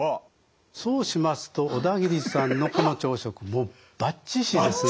そうしますと小田切さんのこの朝食もうバッチシです。